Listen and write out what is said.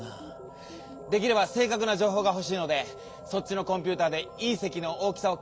できれば正かくなじょうほうがほしいのでそっちのコンピューターでいん石の大きさをけいさんしてみてくれ。